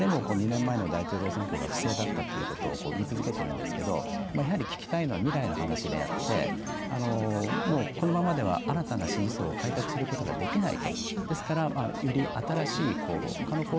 それからまた今でも２年前の大統領選挙が不正だったということを言い続けているんですが、やはり聞きたいのは未来の話であって、このままでは新たな支持層を開拓することができない。